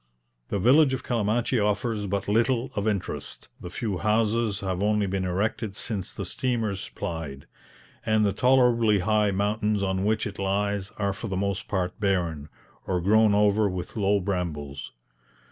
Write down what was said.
The village of Calamachi offers but little of interest, the few houses have only been erected since the steamers plied, and the tolerably high mountains on which it lies are for the most part barren, or grown over with low brambles.